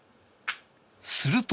すると。